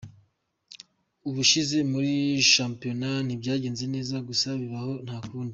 Ubushize muri shampiyona ntibyagenze neza gusa bibaho nta kundi.